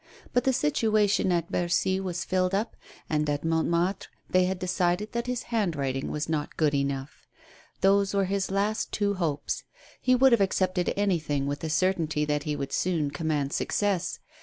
But the situation at Bercy was filled up, and at Montmartre they had decided that his handwriting was not good enough. Those were his two last hopes. He would have accepted anything, with the certainty that he would soon command success.